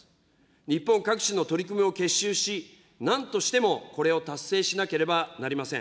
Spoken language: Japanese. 日本各地の取り組みを結集し、なんとしてもこれを達成しなければなりません。